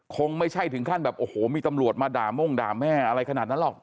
คงไม่ใช่ถึงขั้นแบบโอ้โหมีตำรวจมาด่าม่งด่าแม่อะไรขนาดนั้นหรอก